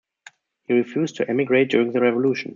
He refused to emigrate during the Revolution.